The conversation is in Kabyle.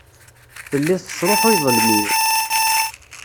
Telliḍ tesṛuḥuyeḍ lmil.